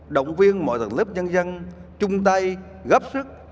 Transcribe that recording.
động viên mọi tầng lớp dân dân chung tay gấp sức